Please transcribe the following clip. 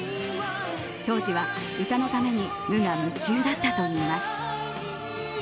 当時は歌のために無我夢中だったといいます。